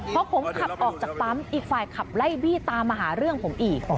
พอผมขับออกจากปั๊มอีกฝ่ายขับไล่บี้ตามมาหาเรื่องผมอีก